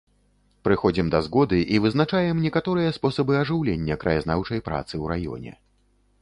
Прыходзім да згоды і вызначаем некаторыя спосабы ажыўлення краязнаўчай працы ў раёне.